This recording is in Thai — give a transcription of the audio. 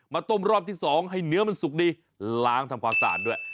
ต้มรอบที่๒ให้เนื้อมันสุกดีล้างทำความสะอาดด้วย